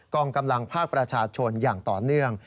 องกำลังภาคประชาชนอย่างต่อเนื่อง